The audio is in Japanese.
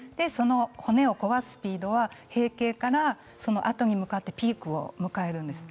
骨を壊すスピードは閉経からそのあとに向かってピークを迎えるんです。